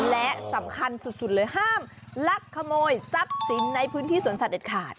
และสำคัญสุดเลยห้ามลักขโมยทรัพย์สินในพื้นที่สวนสัตเด็ดขาด